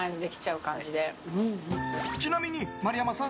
ちなみに丸山さん